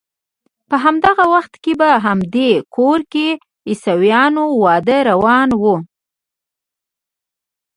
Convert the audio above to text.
په همدغه وخت کې په همدې کور کې د عیسویانو واده روان و.